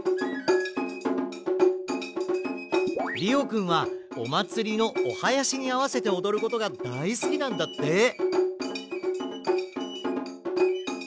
りおくんはおまつりのおはやしにあわせておどることがだいすきなんだって！